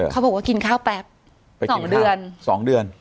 เค้าแบบว่ากินข้าวแปบไปกินข้าว๒เดือน